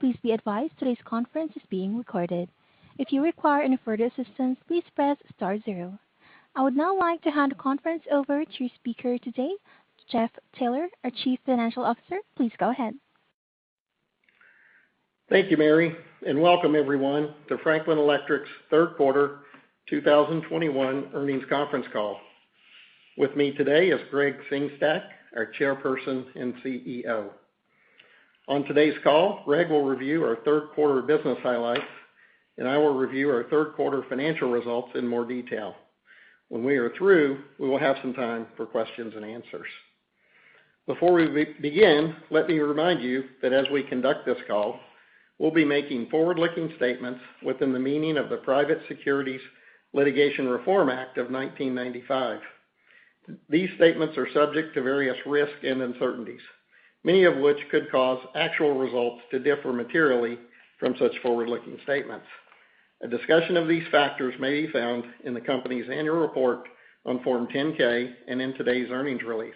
Please be advised today's conference is being recorded. If you require any further assistance, please press star zero. I would now like to hand the conference over to the speaker today, Jeff Taylor, our Chief Financial Officer. Please go ahead. Thank you, Mary, and welcome everyone to Franklin Electric's Third Quarter 2021 Earnings Conference Call. With me today is Gregg Sengstack, our Chairperson and CEO. On today's call, Gregg will review our third quarter business highlights, and I will review our third quarter financial results in more detail. When we are through, we will have some time for questions and answers. Before we begin, let me remind you that as we conduct this call, we'll be making forward-looking statements within the meaning of the Private Securities Litigation Reform Act of 1995. These statements are subject to various risks and uncertainties, many of which could cause actual results to differ materially from such forward-looking statements. A discussion of these factors may be found in the company's annual report on Form 10-K and in today's earnings release.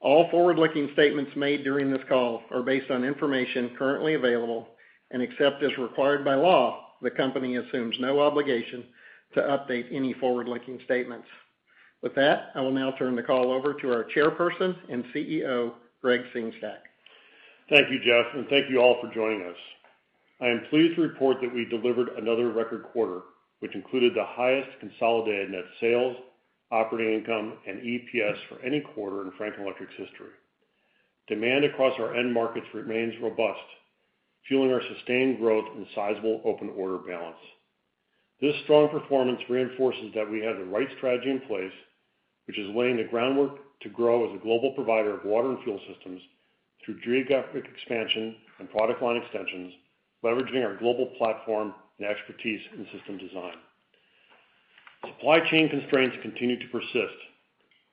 All forward-looking statements made during this call are based on information currently available, and except as required by law, the company assumes no obligation to update any forward-looking statements. With that, I will now turn the call over to our Chairperson and CEO, Gregg Sengstack. Thank you, Jeff, and thank you all for joining us. I am pleased to report that we delivered another record quarter, which included the highest consolidated net sales, operating income, and EPS for any quarter in Franklin Electric's history. Demand across our end markets remains robust, fueling our sustained growth and sizable open order balance. This strong performance reinforces that we have the right strategy in place, which is laying the groundwork to grow as a global provider of water and fuel systems through geographic expansion and product line extensions, leveraging our global platform and expertise in system design. Supply chain constraints continue to persist.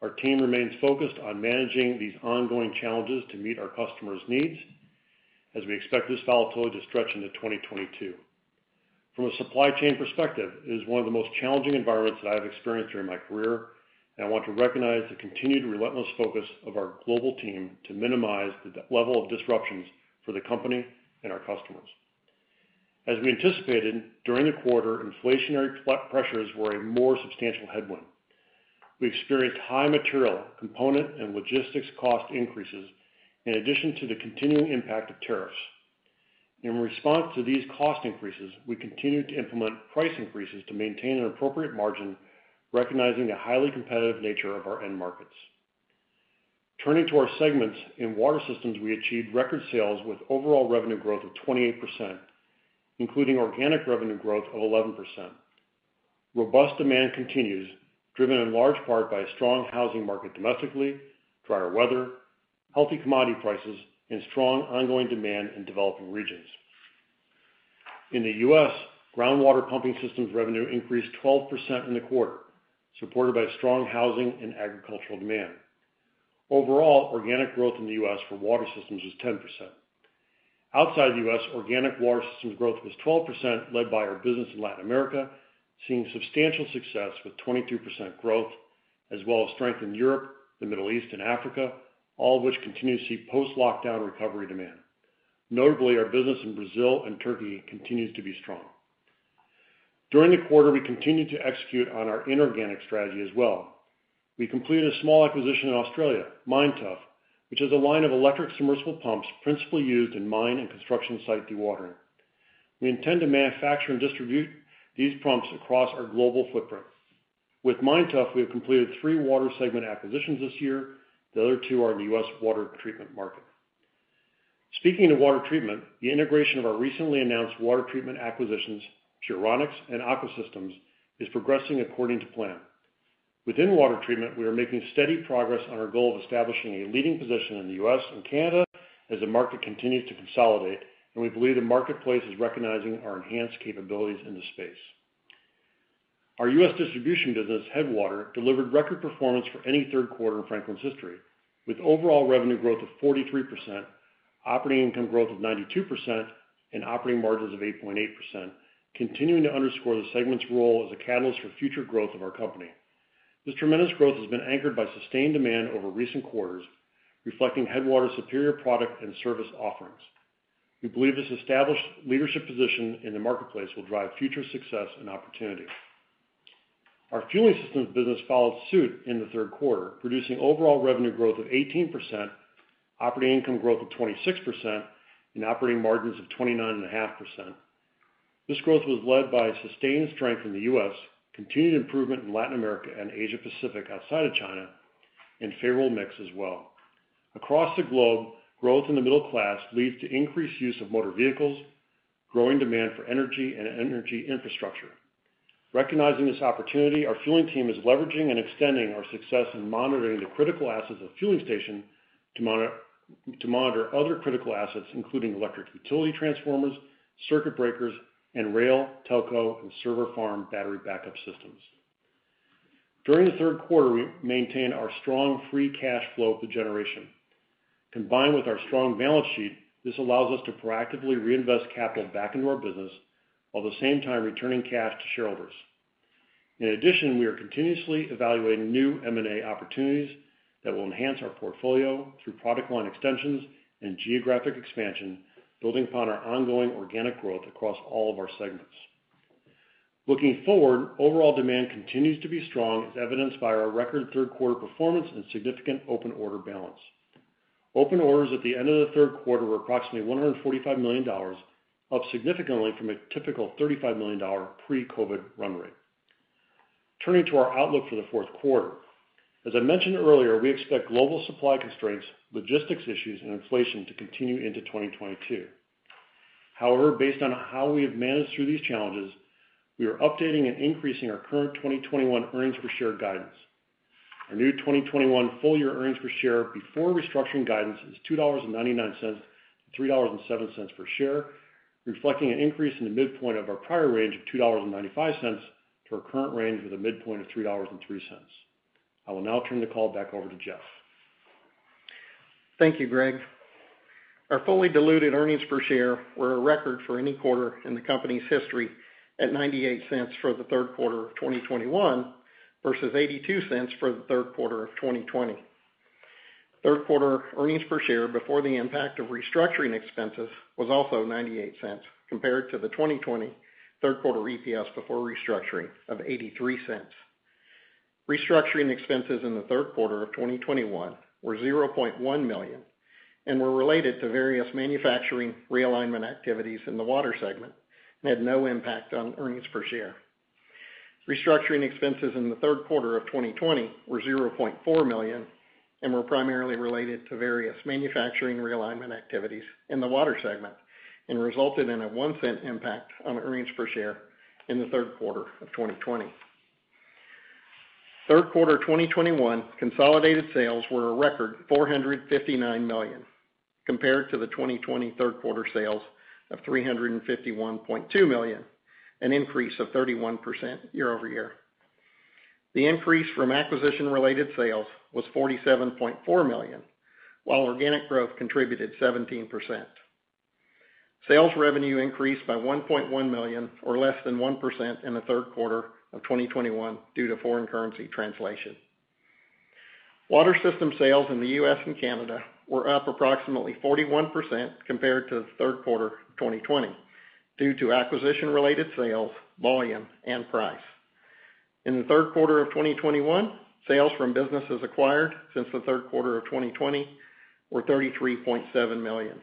Our team remains focused on managing these ongoing challenges to meet our customers' needs as we expect this volatility to stretch into 2022. From a supply chain perspective, it is one of the most challenging environments that I have experienced during my career. I want to recognize the continued relentless focus of our global team to minimize the level of disruptions for the company and our customers. As we anticipated, during the quarter, inflationary pressures were a more substantial headwind. We experienced high material, component, and logistics cost increases in addition to the continuing impact of tariffs. In response to these cost increases, we continued to implement price increases to maintain an appropriate margin, recognizing the highly competitive nature of our end markets. Turning to our segments, in Water Systems, we achieved record sales with overall revenue growth of 28%, including organic revenue growth of 11%. Robust demand continues, driven in large part by a strong housing market domestically, drier weather, healthy commodity prices, and strong ongoing demand in developing regions. In the U.S., groundwater pumping systems revenue increased 12% in the quarter, supported by strong housing and agricultural demand. Overall, organic growth in the U.S. for water systems is 10%. Outside the U.S., organic water systems growth was 12%, led by our business in Latin America, seeing substantial success with 22% growth, as well as strength in Europe, the Middle East, and Africa, all of which continue to see post-lockdown recovery demand. Notably, our business in Brazil and Turkey continues to be strong. During the quarter, we continued to execute on our inorganic strategy as well. We completed a small acquisition in Australia, Minetuff, which is a line of electric submersible pumps principally used in mine and construction site dewatering. We intend to manufacture and distribute these pumps across our global footprint. With Minetuff, we have completed three water segment acquisitions this year. The other two are in the U.S. water treatment market. Speaking of water treatment, the integration of our recently announced water treatment acquisitions, Puronics and Aqua Systems, is progressing according to plan. Within water treatment, we are making steady progress on our goal of establishing a leading position in the U.S. and Canada as the market continues to consolidate. We believe the marketplace is recognizing our enhanced capabilities in this space. Our U.S. distribution business, Headwater, delivered record performance for any third quarter in Franklin's history, with overall revenue growth of 43%, operating income growth of 92%, and operating margins of 8.8%, continuing to underscore the segment's role as a catalyst for future growth of our company. This tremendous growth has been anchored by sustained demand over recent quarters, reflecting Headwater's superior product and service offerings. We believe this established leadership position in the marketplace will drive future success and opportunity. Our Fueling Systems business followed suit in the third quarter, producing overall revenue growth of 18%, operating income growth of 26%, and operating margins of 29.5%. This growth was led by sustained strength in the U.S., continued improvement in Latin America and Asia Pacific outside of China, and favorable mix as well. Across the globe, growth in the middle class leads to increased use of motor vehicles, growing demand for energy and energy infrastructure. Recognizing this opportunity, our fueling team is leveraging and extending our success in monitoring the critical assets of fueling station to monitor other critical assets, including electric utility transformers, circuit breakers, and rail, telco, and server farm battery backup systems. During the third quarter, we maintained our strong free cash flow generation. Combined with our strong balance sheet, this allows us to proactively reinvest capital back into our business, while at the same time returning cash to shareholders. In addition, we are continuously evaluating new M&A opportunities that will enhance our portfolio through product line extensions and geographic expansion, building upon our ongoing organic growth across all of our segments. Looking forward, overall demand continues to be strong, as evidenced by our record third quarter performance and significant open order balance. Open orders at the end of the third quarter were approximately $145 million, up significantly from a typical $35 million pre-COVID run rate. Turning to our outlook for the fourth quarter. As I mentioned earlier, we expect global supply constraints, logistics issues, and inflation to continue into 2022. However, based on how we have managed through these challenges, we are updating and increasing our current 2021 earnings per share guidance. Our new 2021 full year earnings per share before restructuring guidance is $2.99-$3.07 per share, reflecting an increase in the midpoint of our prior range of $2.95 to our current range with a midpoint of $3.03. I will now turn the call back over to Jeff. Thank you, Gregg. Our fully diluted earnings per share were a record for any quarter in the company's history at $0.98 for the third quarter of 2021 versus $0.82 for the third quarter of 2020. Third quarter earnings per share before the impact of restructuring expenses was also $0.98 compared to the 2020 third quarter EPS before restructuring of $0.83. Restructuring expenses in the third quarter of 2021 were $0.1 million and were related to various manufacturing realignment activities in the water segment and had no impact on earnings per share. Restructuring expenses in the third quarter of 2020 were $0.4 million and were primarily related to various manufacturing realignment activities in the water segment and resulted in a $0.01 impact on earnings per share in the third quarter of 2020. Third quarter 2021 consolidated sales were a record $459 million compared to the 2020 third quarter sales of $351.2 million, an increase of 31% year-over-year. The increase from acquisition-related sales was $47.4 million, while organic growth contributed 17%. Sales revenue increased by $1.1 million or less than 1% in the third quarter of 2021 due to foreign currency translation. Water Systems sales in the U.S. and Canada were up approximately 41% compared to the third quarter of 2020 due to acquisition-related sales, volume, and price. In the third quarter of 2021, sales from businesses acquired since the third quarter of 2020 were $33.7 million.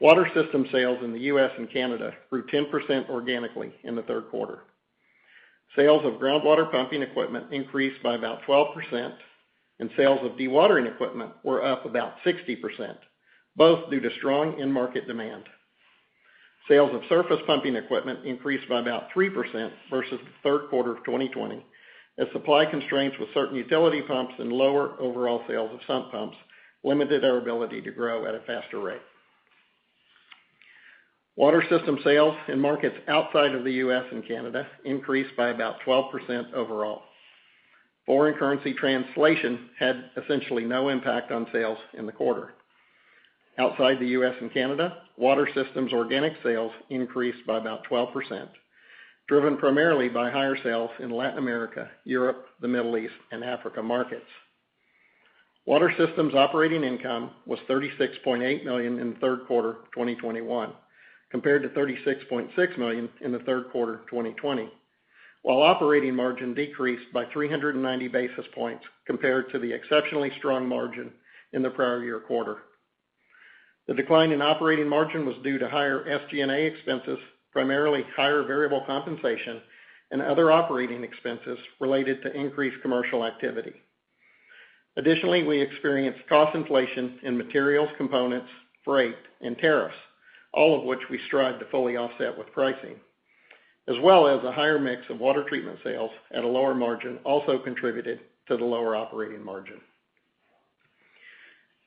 Water Systems sales in the U.S. and Canada grew 10% organically in the third quarter. Sales of groundwater pumping equipment increased by about 12% and sales of dewatering equipment were up about 60%, both due to strong end market demand. Sales of surface pumping equipment increased by about 3% versus the third quarter of 2020 as supply constraints with certain Utility Pumps and lower overall sales of sump pumps limited our ability to grow at a faster rate. Water Systems sales in markets outside of the U.S. and Canada increased by about 12% overall. Foreign currency translation had essentially no impact on sales in the quarter. Outside the U.S. and Canada, Water Systems organic sales increased by about 12%, driven primarily by higher sales in Latin America, Europe, the Middle East, and Africa markets. Water Systems operating income was $36.8 million in the third quarter of 2021 compared to $36.6 million in the third quarter of 2020, while operating margin decreased by 390 basis points compared to the exceptionally strong margin in the prior year quarter. The decline in operating margin was due to higher SG&A expenses, primarily higher variable compensation and other operating expenses related to increased commercial activity. Additionally, we experienced cost inflation in materials, components, freight, and tariffs, all of which we strive to fully offset with pricing, as well as a higher mix of Water Treatment sales at a lower margin also contributed to the lower operating margin.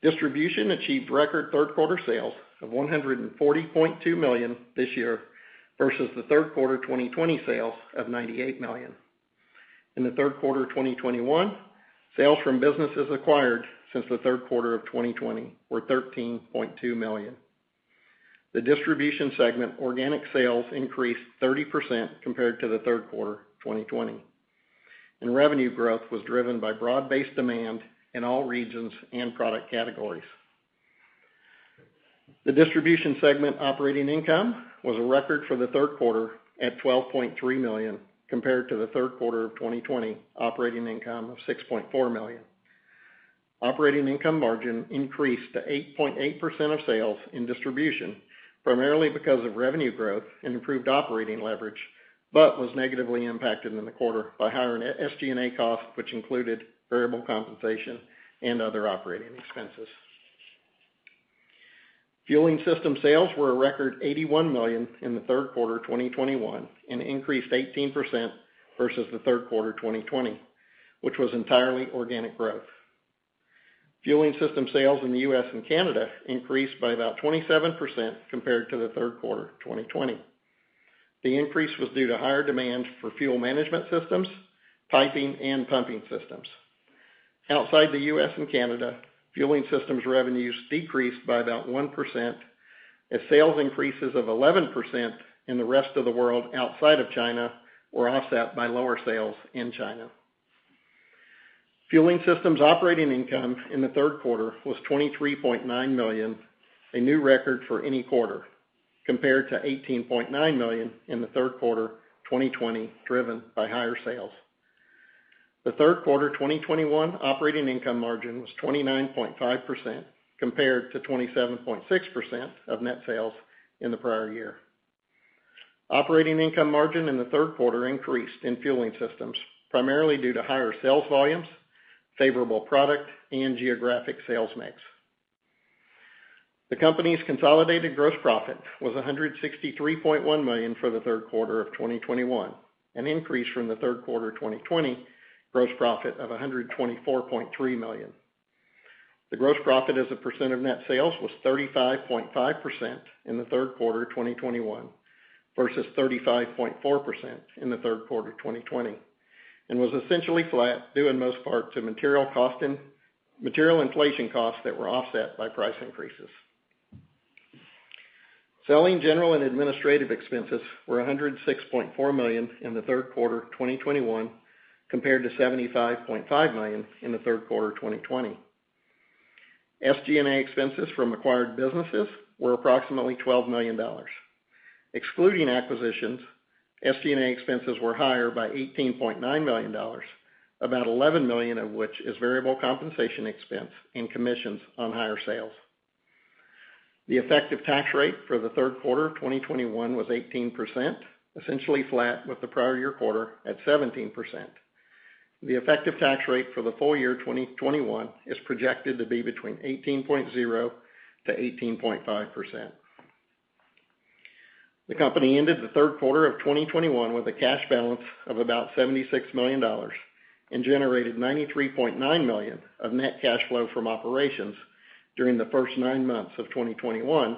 Distribution achieved record third quarter sales of $140.2 million this year versus the third quarter 2020 sales of $98 million. In the third quarter of 2021, sales from businesses acquired since the third quarter of 2020 were $13.2 million. The distribution segment organic sales increased 30% compared to the third quarter of 2020, and revenue growth was driven by broad-based demand in all regions and product categories. The distribution segment operating income was a record for the third quarter at $12.3 million compared to the third quarter of 2020 operating income of $6.4 million. Operating income margin increased to 8.8% of sales in distribution, primarily because of revenue growth and improved operating leverage, but was negatively impacted in the quarter by higher SG&A costs, which included variable compensation and other operating expenses. Fueling Systems sales were a record $81 million in the third quarter of 2021 and increased 18% versus the third quarter of 2020, which was entirely organic growth. Fueling Systems sales in the U.S. and Canada increased by about 27% compared to the third quarter of 2020. The increase was due to higher demand for Fuel Management Systems, piping, and pumping systems. Outside the U.S. and Canada, Fueling Systems revenues decreased by about 1% as sales increases of 11% in the rest of the world outside of China were offset by lower sales in China. Fueling Systems operating income in the third quarter was $23.9 million, a new record for any quarter, compared to $18.9 million in the third quarter 2020, driven by higher sales. The third quarter 2021 operating income margin was 29.5% compared to 27.6% of net sales in the prior year. Operating income margin in the third quarter increased in Fueling Systems, primarily due to higher sales volumes, favorable product and geographic sales mix. The company's consolidated gross profit was $163.1 million for the third quarter of 2021, an increase from the third quarter 2020 gross profit of $124.3 million. The gross profit as a % of net sales was 35.5% in the third quarter of 2021 versus 35.4% in the third quarter of 2020, and was essentially flat, due in most part to material inflation costs that were offset by price increases. Selling, general, and administrative expenses were $106.4 million in the third quarter 2021 compared to $75.5 million in the third quarter of 2020. SG&A expenses from acquired businesses were approximately $12 million. Excluding acquisitions, SG&A expenses were higher by $18.9 million, about $11 million of which is variable compensation expense and commissions on higher sales. The effective tax rate for the third quarter of 2021 was 18%, essentially flat with the prior year quarter at 17%. The effective tax rate for the full year 2021 is projected to be between 18.0%-18.5%. The company ended the third quarter of 2021 with a cash balance of about $76 million and generated $93.9 million of net cash flow from operations during the first nine months of 2021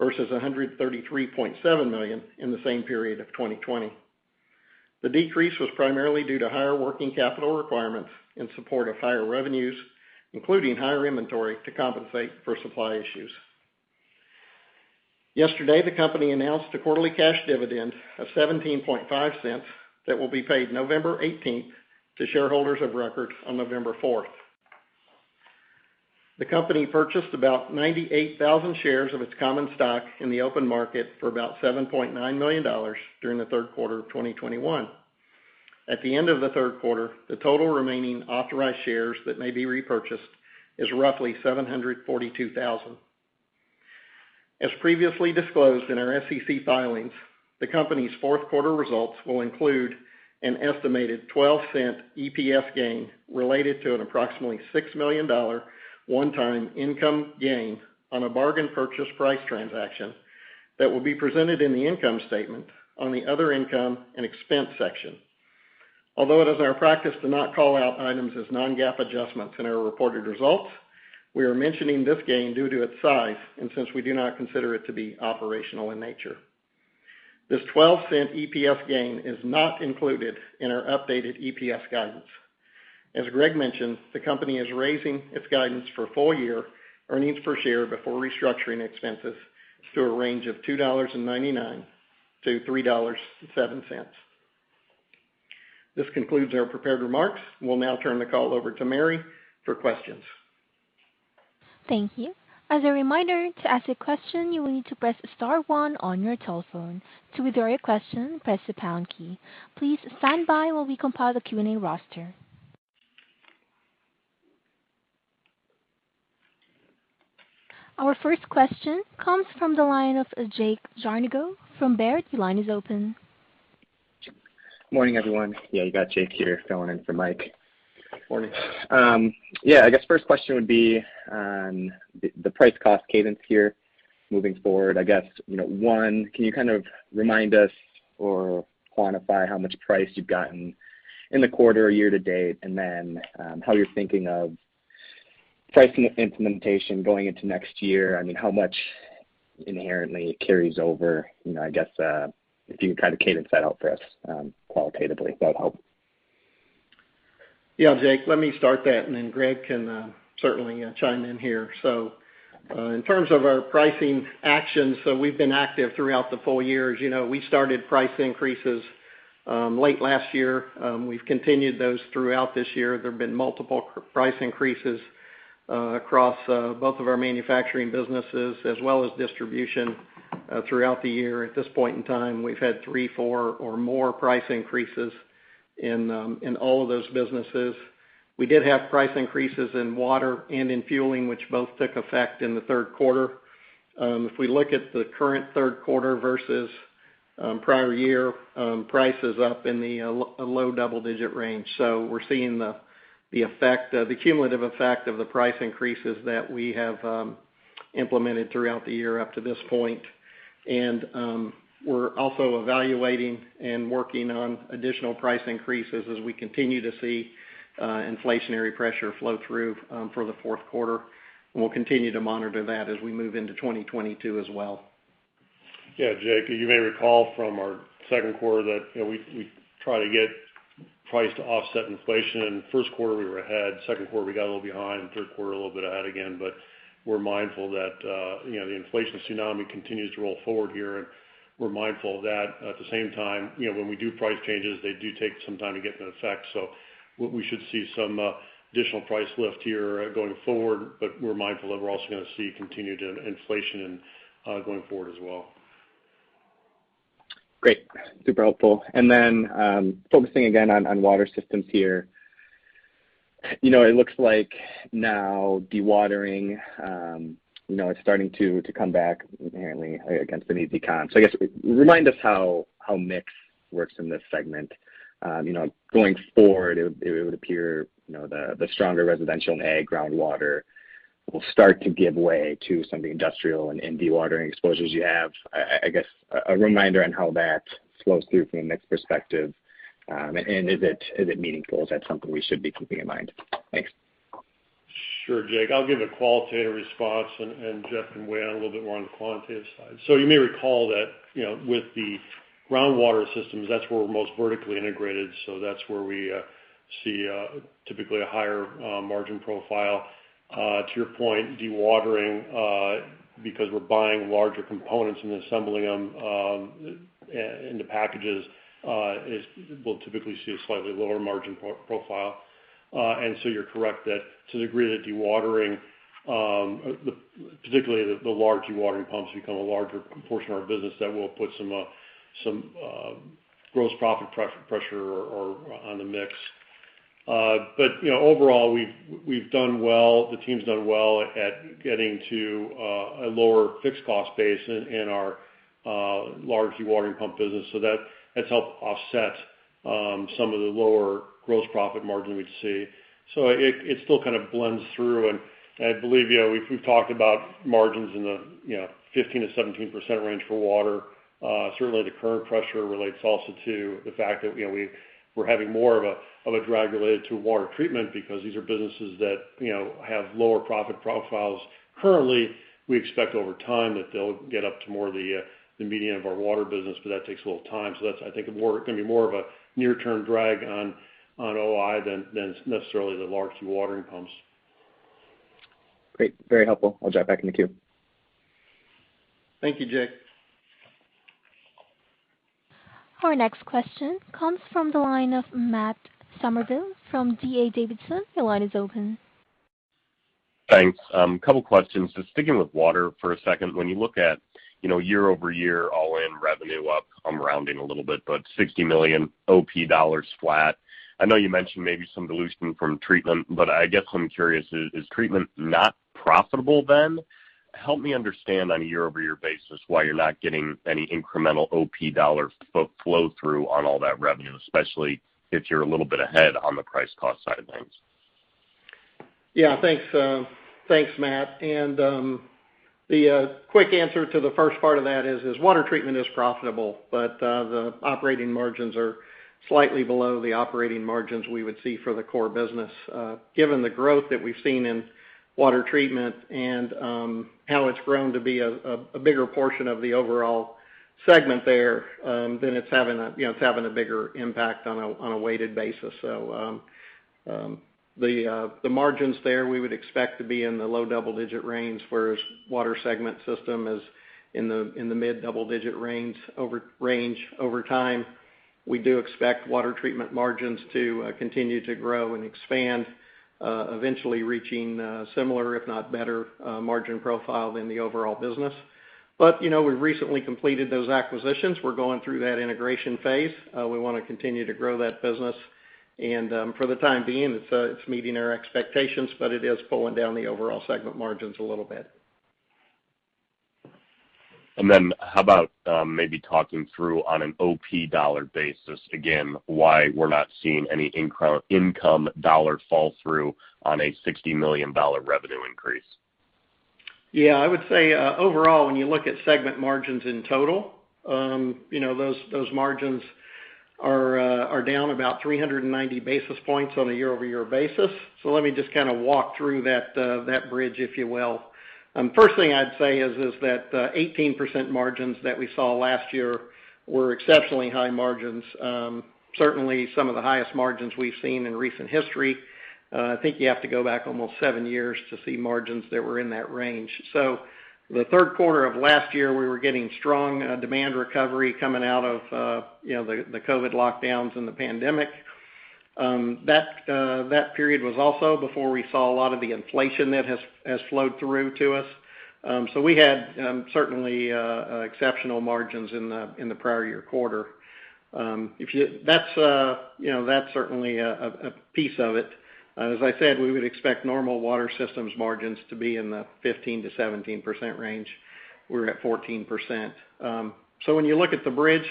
versus $133.7 million in the same period of 2020. The decrease was primarily due to higher working capital requirements in support of higher revenues, including higher inventory to compensate for supply issues. Yesterday, the company announced a quarterly cash dividend of $0.175 that will be paid November 18th to shareholders of record on November 4th. The company purchased about 98,000 shares of its common stock in the open market for about $7.9 million during the third quarter of 2021. At the end of the third quarter, the total remaining authorized shares that may be repurchased is roughly 742,000. As previously disclosed in our SEC filings, the company's fourth quarter results will include an estimated $0.12 EPS gain related to an approximately $6 million one-time income gain on a bargain purchase price transaction that will be presented in the income statement on the other income and expense section. Although it is our practice to not call out items as non-GAAP adjustments in our reported results, we are mentioning this gain due to its size and since we do not consider it to be operational in nature. This $0.12 EPS gain is not included in our updated EPS guidance. As Gregg mentioned, the company is raising its guidance for full year earnings per share before restructuring expenses to a range of $2.99-$3.07. This concludes our prepared remarks. We'll now turn the call over to Mary for questions. Thank you. As a reminder, to ask a question, you will need to press star one on your telephone. To withdraw your question, press the pound key. Please stand by while we compile the Q&A roster. Our first question comes from the line of Jake Jarnigo from Baird. Your line is open. Morning, everyone. Yeah, you got Jake here filling in for Mike. Morning. Yeah, I guess first question would be on the price cost cadence here moving forward. I guess, you know, one, can you kind of remind us or quantify how much price you've gotten in the quarter year-to-date, and then, how you're thinking of pricing implementation going into next year? I mean, how much inherently carries over? You know, I guess, if you can kind of cadence that out for us, qualitatively, that'd help. Yeah, Jake, let me start that, and then Gregg can certainly chime in here. In terms of our pricing actions, we've been active throughout the full years. You know, we started price increases late last year. We've continued those throughout this year. There have been multiple price increases across both of our manufacturing businesses as well as distribution throughout the year. At this point in time, we've had three, four or more price increases in all of those businesses. We did have price increases in Water and in Fueling, which both took effect in the third quarter. If we look at the current third quarter versus prior year, price is up in a low double-digit% range. We're seeing the cumulative effect of the price increases that we have implemented throughout the year up to this point. We're also evaluating and working on additional price increases as we continue to see inflationary pressure flow through for the fourth quarter. We'll continue to monitor that as we move into 2022 as well. Yeah, Jake, you may recall from our second quarter that, you know, we try to get price to offset inflation. First quarter we were ahead, second quarter we got a little behind, third quarter a little bit ahead again. We're mindful that, you know, the inflation tsunami continues to roll forward here, and we're mindful of that. At the same time, you know, when we do price changes, they do take some time to get into effect. We should see some additional price lift here going forward, but we're mindful that we're also gonna see continued inflation going forward as well. Great. Super helpful. Focusing again on Water Systems here. You know, it looks like now dewatering, you know, it's starting to come back apparently against an easy comp. I guess remind us how mix works in this segment. You know, going forward, it would appear, you know, the stronger residential and ag groundwater will start to give way to some of the industrial and dewatering exposures you have. I guess a reminder on how that flows through from a mix perspective, and is it meaningful? Is that something we should be keeping in mind? Thanks. Sure, Jake. I'll give a qualitative response and Jeff can weigh in a little bit more on the quantitative side. You may recall that, you know, with the groundwater systems, that's where we're most vertically integrated, so that's where we see typically a higher margin profile. To your point, dewatering, because we're buying larger components and assembling them into packages, we'll typically see a slightly lower margin profile. And so you're correct that to the degree that dewatering, particularly the large dewatering pumps become a larger portion of our business, that will put some gross profit pressure on the mix. But, you know, overall, we've done well. The team's done well at getting to a lower fixed cost base in our large dewatering pump business. That has helped offset some of the lower gross profit margin we see. It still kind of blends through. I believe, you know, we've talked about margins in the 15%-17% range for Water. Certainly the current pressure relates also to the fact that, you know, we're having more of a drag related to Water Treatment because these are businesses that, you know, have lower profit profiles. Currently, we expect over time that they'll get up to more of the median of our Water business, but that takes a little time. That's, I think, gonna be more of a near term drag on OI than necessarily the large dewatering pumps. Great. Very helpful. I'll drop back in the queue. Thank you, Jake. Our next question comes from the line of Matt Summerville from D.A. Davidson. Your line is open. Thanks. Couple questions. Just sticking with water for a second. When you look at, you know, year-over-year all-in revenue up, I'm rounding a little bit, but $60 million OP dollar flat. I know you mentioned maybe some dilution from treatment, but I guess I'm curious, is treatment not profitable then? Help me understand on a year-over-year basis why you're not getting any incremental OP dollar flow through on all that revenue, especially if you're a little bit ahead on the price cost side of things. Yeah. Thanks, Matt. The quick answer to the first part of that is water treatment is profitable, but the operating margins are slightly below the operating margins we would see for the core business. Given the growth that we've seen in Water Treatment and how it's grown to be a bigger portion of the overall segment there, then it's having a, you know, bigger impact on a weighted basis. The margins there, we would expect to be in the low double digit range, whereas Water Systems segment is in the mid double digit range over time. We do expect Water Treatment margins to continue to grow and expand, eventually reaching similar if not better margin profile than the overall business. You know, we've recently completed those acquisitions. We're going through that integration phase. We wanna continue to grow that business, and, for the time being, it's meeting our expectations, but it is pulling down the overall segment margins a little bit. How about maybe talking through on an OP dollar basis, again, why we're not seeing any income dollar flow-through on a $60 million revenue increase? Yeah. I would say, overall, when you look at segment margins in total, you know, those margins are down about 390 basis points on a year-over-year basis. Let me just kind of walk through that bridge, if you will. First thing I'd say is that 18% margins that we saw last year were exceptionally high margins. Certainly some of the highest margins we've seen in recent history. I think you have to go back almost seven years to see margins that were in that range. The third quarter of last year, we were getting strong demand recovery coming out of, you know, the COVID lockdowns and the pandemic. That period was also before we saw a lot of the inflation that has flowed through to us. We had certainly exceptional margins in the prior year quarter. That's you know that's certainly a piece of it. As I said, we would expect normal Water Systems margins to be in the 15%-17% range. We're at 14%. When you look at the bridge,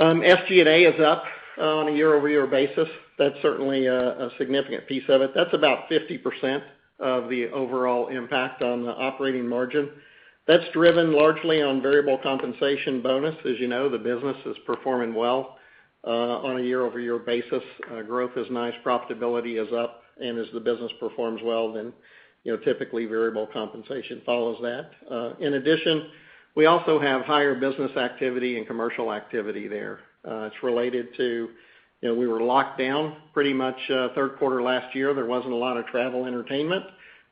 SG&A is up on a year-over-year basis. That's certainly a significant piece of it. That's about 50% of the overall impact on the operating margin. That's driven largely by variable compensation bonus. As you know, the business is performing well on a year-over-year basis. Growth is nice, profitability is up, and as the business performs well, then, you know, typically, variable compensation follows that. In addition, we also have higher business activity and commercial activity there. It's related to, you know, we were locked down pretty much, third quarter last year. There wasn't a lot of travel entertainment.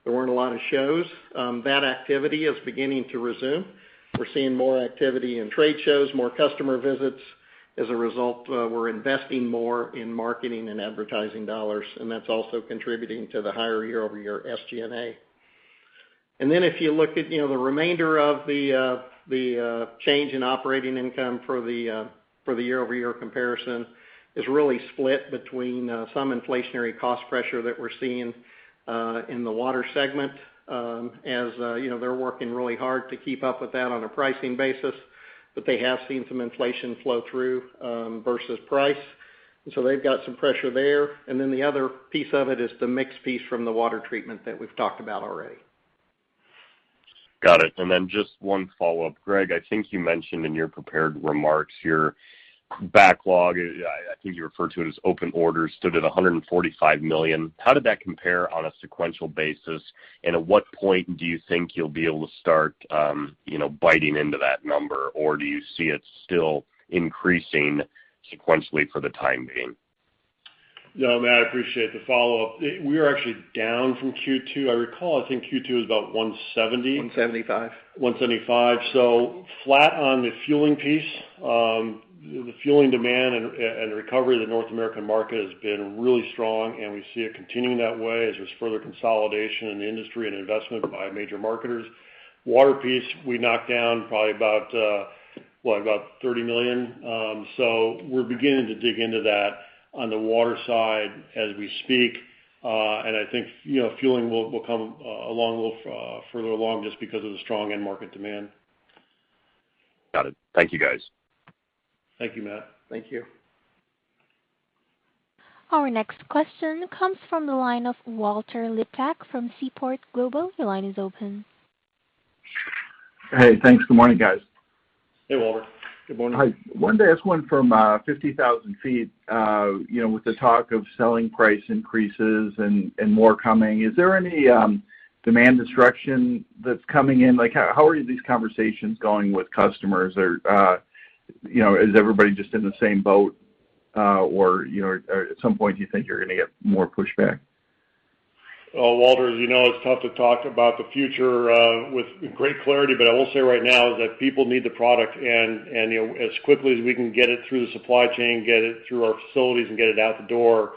There weren't a lot of shows. That activity is beginning to resume. We're seeing more activity in trade shows, more customer visits. As a result, we're investing more in marketing and advertising dollars, and that's also contributing to the higher year-over-year SG&A. If you look at, you know, the remainder of the change in operating income for the year-over-year comparison is really split between some inflationary cost pressure that we're seeing in the water segment, as you know, they're working really hard to keep up with that on a pricing basis. They have seen some inflation flow through versus price. They've got some pressure there. The other piece of it is the mix piece from the water treatment that we've talked about already. Got it. Then just one follow-up. Gregg, I think you mentioned in your prepared remarks your backlog, I think you referred to it as open orders, stood at $145 million. How did that compare on a sequential basis? At what point do you think you'll be able to start, you know, biting into that number? Do you see it still increasing sequentially for the time being? No, Matt, I appreciate the follow-up. We are actually down from Q2. I recall, I think Q2 was about $170 million. $175 million. $175 million. Flat on the fueling piece. The fueling demand and recovery of the North American market has been really strong, and we see it continuing that way as there's further consolidation in the industry and investment by major marketers. Water piece, we knocked down probably about $30 million. We're beginning to dig into that on the water side as we speak. I think, you know, fueling will come along with further along just because of the strong end market demand. Got it. Thank you, guys. Thank you, Matt. Thank you. Our next question comes from the line of Walter Liptak from Seaport Global. Your line is open. Hey, thanks. Good morning, guys. Hey, Walter. Good morning. Hi. Wanted to ask one from 50,000 ft. You know, with the talk of selling price increases and more coming, is there any demand destruction that's coming in? Like, how are these conversations going with customers? Or you know, is everybody just in the same boat? Or you know, or at some point, do you think you're gonna get more pushback? Well, Walter, as you know, it's tough to talk about the future with great clarity, but I will say right now is that people need the product and, you know, as quickly as we can get it through the supply chain, get it through our facilities and get it out the door,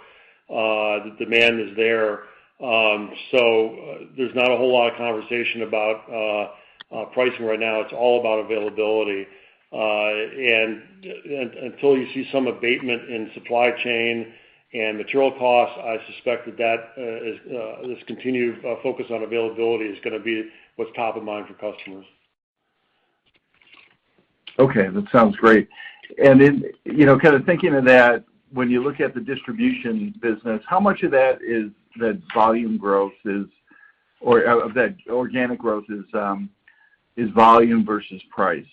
the demand is there. There's not a whole lot of conversation about pricing right now. It's all about availability. Until you see some abatement in supply chain and material costs, I suspect that this continued focus on availability is gonna be what's top of mind for customers. Okay. That sounds great. Then, you know, kind of thinking of that, when you look at the distribution business, how much of that volume growth is or of that organic growth is volume versus price?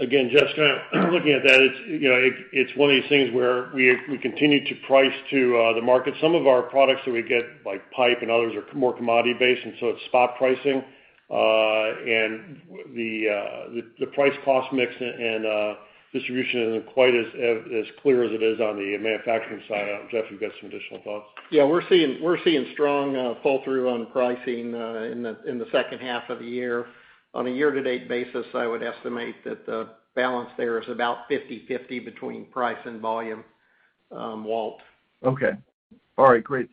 Again, Jeff's kinda looking at that. It's, you know, one of these things where we continue to price to the market. Some of our products that we get, like pipe and others, are more commodity based, and so it's spot pricing. The price cost mix and distribution isn't quite as clear as it is on the manufacturing side. I don't know, Jeff, you got some additional thoughts. Yeah, we're seeing strong pull-through on pricing in the second half of the year. On a year-to-date basis, I would estimate that the balance there is about 50/50 between price and volume, Walt. It's great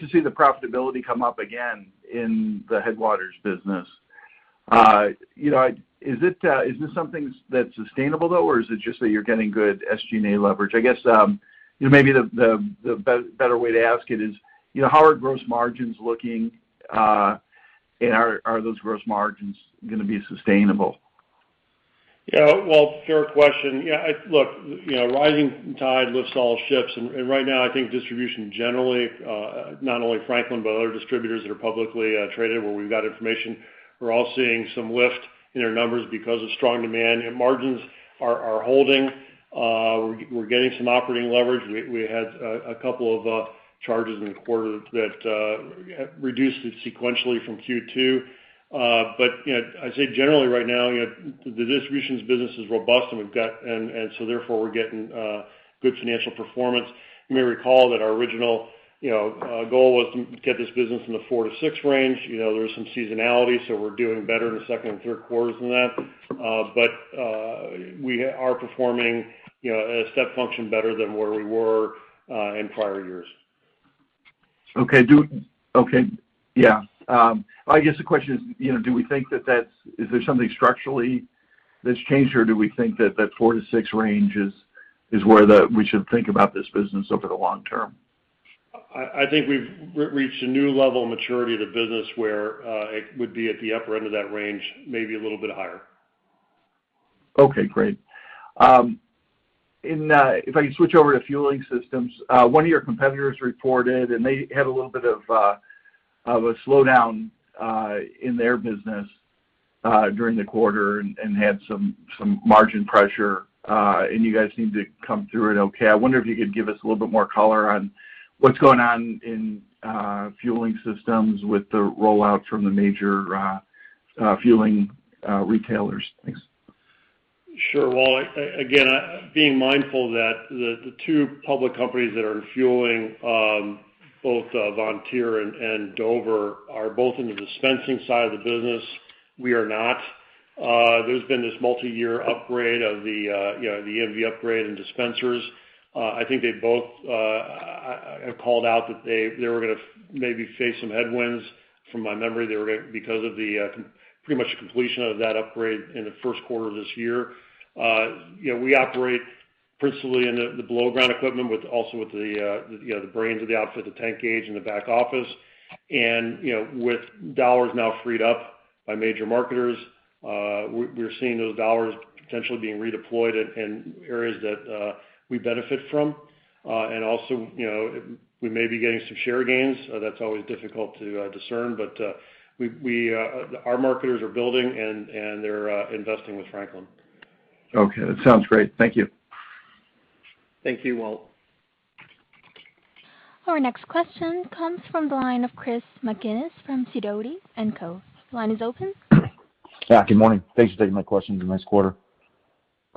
to see the profitability come up again in the Headwater business. You know, is this something that's sustainable though, or is it just that you're getting good SG&A leverage? I guess, you know, maybe the better way to ask it is, you know, how are gross margins looking, and are those gross margins gonna be sustainable? Yeah. Well, fair question. Look, you know, rising tide lifts all ships. And right now, I think distribution generally, not only Franklin, but other distributors that are publicly traded where we've got information, we're all seeing some lift in our numbers because of strong demand, and margins are holding. We're getting some operating leverage. We had a couple of charges in the quarter that reduced it sequentially from Q2. But you know, I'd say generally right now, you know, the distribution business is robust and so therefore we're getting good financial performance. You may recall that our original goal was to get this business in the 4%-6% range. You know, there was some seasonality, so we're doing better in the second and third quarters than that. We are performing, you know, a step function better than where we were, in prior years. Yeah. I guess the question is, you know, do we think that that's? Is there something structurally that's changed, or do we think that that 4%-6% range is where we should think about this business over the long term? I think we've reached a new level of maturity of the business where it would be at the upper end of that range, maybe a little bit higher. Okay, great. If I can switch over to Fueling Systems, one of your competitors reported, and they had a little bit of a slowdown in their business during the quarter and had some margin pressure, and you guys seemed to come through it okay. I wonder if you could give us a little bit more color on what's going on in Fueling Systems with the rollout from the major fueling retailers. Thanks. Sure. Well, again, being mindful that the two public companies that are in fueling, both Vontier and Dover are both in the dispensing side of the business. We are not. There's been this multiyear upgrade of the, you know, the EMV upgrade and dispensers. I think they both have called out that they were gonna maybe face some headwinds. From my memory, they were gonna because of the pretty much completion of that upgrade in the first quarter of this year. You know, we operate principally in the below ground equipment, also with the, you know, the brains of the outfit, the tank gauge and the back office. You know, with dollars now freed up by major marketers, we're seeing those dollars potentially being redeployed in areas that we benefit from. Also, you know, we may be getting some share gains. That's always difficult to discern, but our marketers are building and they're investing with Franklin. Okay, that sounds great. Thank you. Thank you, Walt. Our next question comes from the line of Chris McGinnis from Sidoti & Company. Line is open. Yeah. Good morning. Thanks for taking my questions. Nice quarter.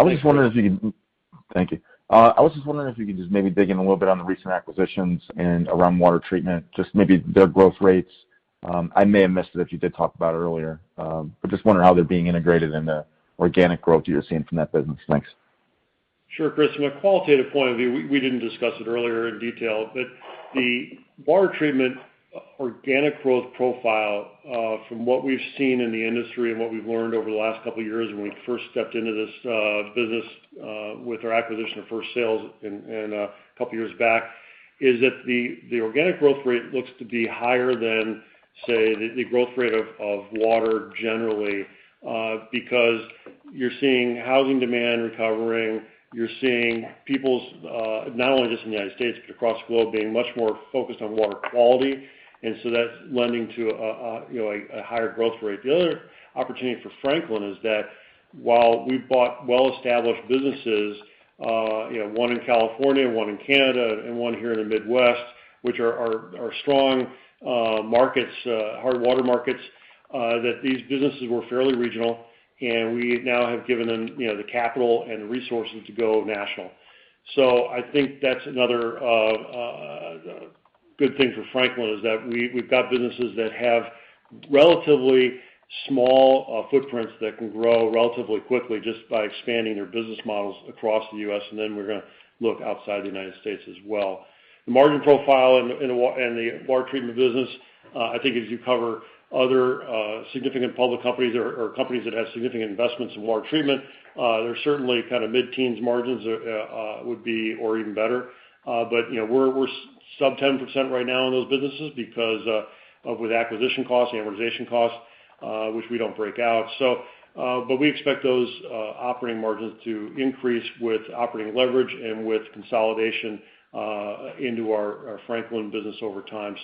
Thank you. I was just wondering if you could just maybe dig in a little bit on the recent acquisitions and around Water Treatment, just maybe their growth rates. I may have missed it if you did talk about it earlier. Just wondering how they're being integrated and the organic growth you're seeing from that business. Thanks. Sure, Chris. From a qualitative point of view, we didn't discuss it earlier in detail, but the Water Treatment organic growth profile, from what we've seen in the industry and what we've learned over the last couple of years when we first stepped into this business, with our acquisition of First Sales in a couple of years back, is that the organic growth rate looks to be higher than, say, the growth rate of water generally, because you're seeing housing demand recovering. You're seeing people's, not only just in the U.S., But across the globe, being much more focused on water quality. That's lending to a, you know, a higher growth rate. The other opportunity for Franklin is that while we bought well-established businesses, you know, one in California, one in Canada, and one here in the Midwest, which are strong markets, hard water markets, that these businesses were fairly regional, and we now have given them, you know, the capital and resources to go national. I think that's another good thing for Franklin is that we've got businesses that have relatively small footprints that can grow relatively quickly just by expanding their business models across the U.S. We're gonna look outside the U.S. as well. The margin profile in the Water Treatment business, I think as you cover other significant public companies or companies that have significant investments in Water Treatment, they're certainly kind of mid-teens margins or even better. You know, we're sub-10% right now in those businesses because of acquisition costs, amortization costs, which we don't break out. We expect those operating margins to increase with operating leverage and with consolidation into our Franklin business over time.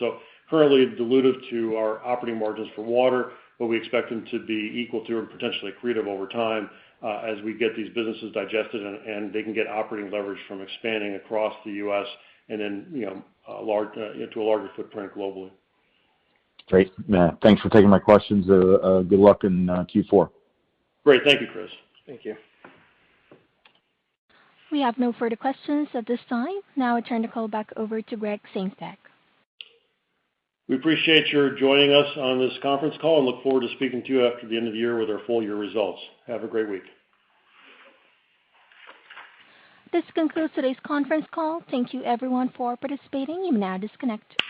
Currently dilutive to our operating margins for water, but we expect them to be equal to or potentially accretive over time, as we get these businesses digested and they can get operating leverage from expanding across the U.S. and then, you know, into a larger footprint globally. Great. Thanks for taking my questions. Good luck in Q4. Great. Thank you, Chris. Thank you. We have no further questions at this time. Now I turn the call back over to Gregg Sengstack. We appreciate your joining us on this conference call and look forward to speaking to you after the end of the year with our full year results. Have a great week. This concludes today's conference call. Thank you everyone for participating. You may now disconnect.